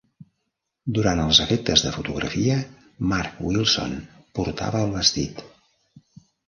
Durant els efectes de fotografia, Mark Wilson portava el vestit.